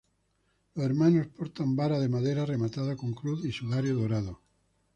Los hermanos portan vara de madera rematada con cruz y sudario dorado.